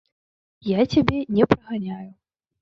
Я цябе не праганяю.